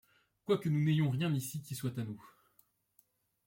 Quoique nous n'ayons rien ici qui soit à nous